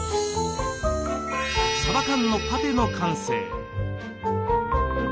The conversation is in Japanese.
さば缶のパテの完成。